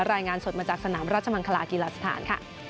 รายงานสดมาจากสนามราชมังคลากีฬาสถานค่ะ